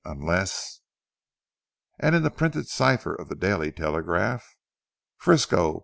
Unless " And in the printed cipher of the 'Daily Telegraph': "Frisco.